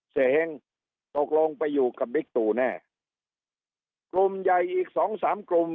เสียชื่อคนชนบุรีหมดเลยครับ